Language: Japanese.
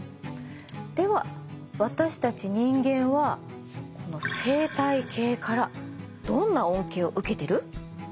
では私たち人間はこの生態系からどんな恩恵を受けてる？